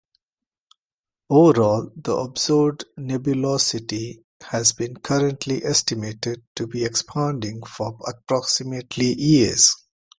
Overall, the observed nebulosity has been currently estimated to be expanding for approximately years.